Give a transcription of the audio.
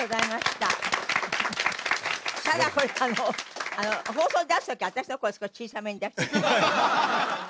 ただこれあの放送に出す時は私の声少し小さめに出して。